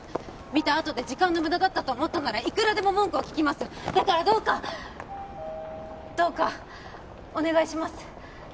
見たあとで時間の無駄だったと思ったならいくらでも文句を聞きますだからどうかどうかお願いします